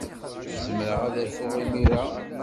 Zemreɣ ad rfuɣ imir-a?